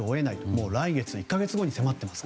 もう来月、１か月後に迫っていますが。